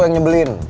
lo yang ngebelin